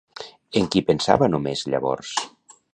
En qui pensava només llavors?